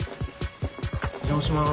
お邪魔します。